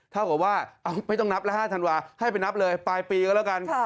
เท่ากับว่าไม่ต้องนับแล้ว๕ธันวาให้ไปนับเลยปลายปีก็แล้วกัน